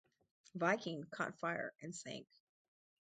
"Viking" caught fire and sank.